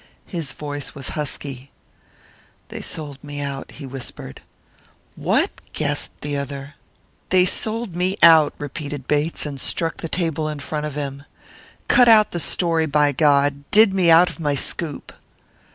His voice was husky. "They sold me out," he whispered. "What!" gasped the other. "They sold me out!" repeated Bates, and struck the table in front of him. "Cut out the story, by God! Did me out of my scoop!